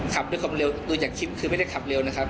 ขับด้วยความเร็วดูจากคลิปคือไม่ได้ขับเร็วนะครับ